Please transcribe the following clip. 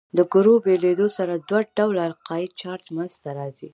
د کرو بېلېدو سره دوه ډوله القایي چارج منځ ته راځي.